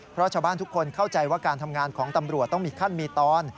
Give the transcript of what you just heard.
เพราะชาวบ้านทุกคนเข้าใจว่าการทำงานของตำรวจต้องมีขั้นมีตอน